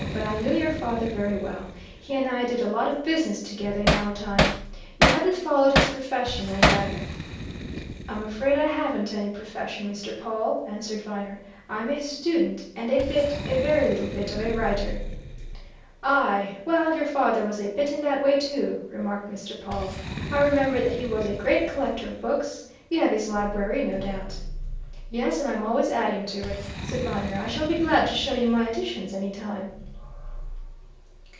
"But I knew your father very well he and I did a lot of business together in our time. You haven't followed his profession, I gather?" "I'm afraid I haven't any profession, Mr. Pawle," answered Viner. "I'm a student and a bit, a very little bit, of a writer." "Aye, well, your father was a bit in that way too," remarked Mr. Pawle. "I remember that he was a great collector of books you have his library, no doubt?" "Yes, and I'm always adding to it," said Viner. "I shall be glad to show you my additions, any time."